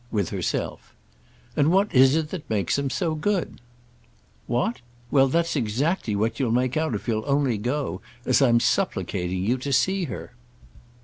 "With herself." "And what is it that makes them so good?" "What? Well, that's exactly what you'll make out if you'll only go, as I'm supplicating you, to see her."